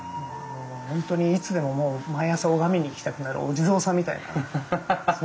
本当にいつでももう毎朝拝みに行きたくなるお地蔵さんみたいなそんな存在でした。